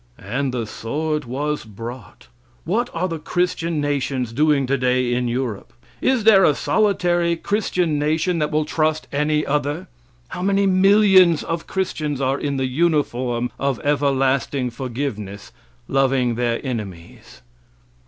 And the sword was brought. What are the Christian nations doing today in Europe? Is there a solitary Christian nation that will trust any other? How many millions of Christians are in the uniform of everlasting forgiveness, loving their enemies?